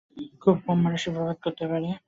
খুব কম মানুষই প্রভেদ ধরতে পারে।